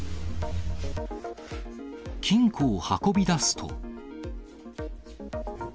金庫を運び出すと。